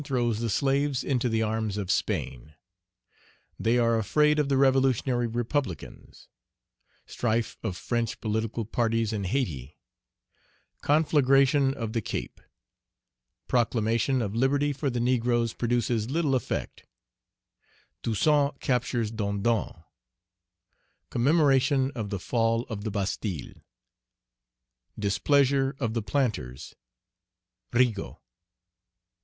throws the slaves into the arms of Spain They are afraid of the revolutionary republicans Strife of French political parties in Hayti Conflagration of the Cape Proclamation of liberty for the negroes produces little effect Toussaint captures Dondon Commemoration of the fall of the Bastille Displeasure of the planters Rigaud.